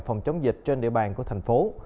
phòng chống dịch trên địa bàn của thành phố